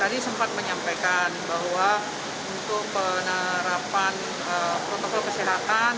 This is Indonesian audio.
tadi sempat menyampaikan bahwa untuk penerapan protokol kesehatan